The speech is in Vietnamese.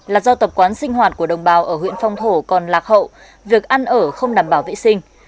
là do tập quán sinh hoạt của đồng bào ở huyện phong thổ còn lạc hậu việc ăn ở không đảm bảo vệ sinh